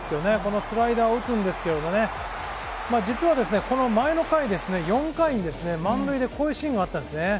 スライダーを打つんですが、実はこの前の回、４回に満塁でこういうシーンがあったんです。